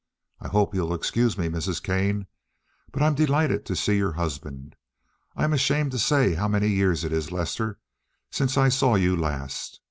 I hope you'll excuse me, Mrs. Kane, but I'm delighted to see your husband. I'm ashamed to say how many years it is, Lester, since I saw you last!